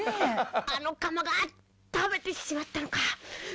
「あの釜が食べてしまったのか」